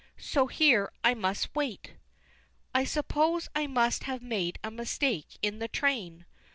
So here I must wait. I suppose I must have made a mistake in the train.